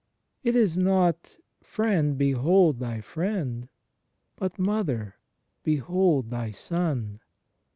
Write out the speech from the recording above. It is not, "Friend, behold thy friend"; but, "Mother, behold thy son.